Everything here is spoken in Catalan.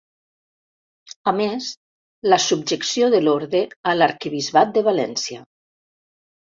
A més, la subjecció de l'orde a l'arquebisbat de València.